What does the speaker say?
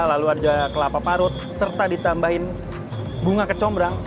lalu ada kelapa parut serta ditambahin bunga kecombrang